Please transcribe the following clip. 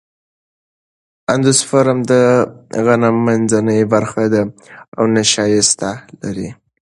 اندوسپرم د غنم منځنۍ برخه ده او نشایسته لري.